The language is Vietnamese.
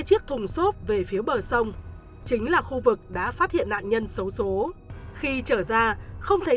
chiếc thùng xốp về phía bờ sông chính là khu vực đã phát hiện nạn nhân xấu xố khi chở ra không thấy